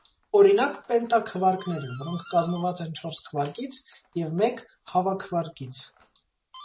Օրինակ՝ պենտաքվարկները, որոնք կազմված են չորս քվարկից և մեկ հավաքվարկից։